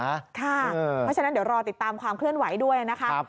เพราะฉะนั้นเดี๋ยวรอติดตามความเคลื่อนไหวด้วยนะคะ